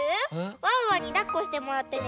ワンワンにだっこしてもらってね